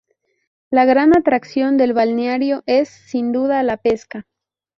La gran atracción del balneario es, sin duda, la pesca.